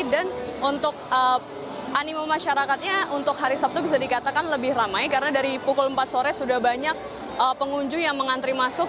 dan untuk animo masyarakatnya untuk hari sabtu bisa dikatakan lebih ramai karena dari pukul empat sore sudah banyak pengunjung yang mengantri masuk